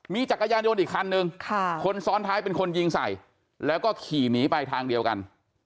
มีจักรยานยนต์อีกคันนึงคนซ้อนท้ายเป็นคนยิงใส่แล้วก็ขี่หนีไปทางเดียวกัน